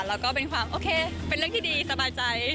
แล้วก็เป็นความโอเคเป็นเรื่องที่ดีสบายใจ